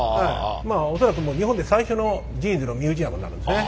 恐らく日本で最初のジーンズのミュージアムになるんですね。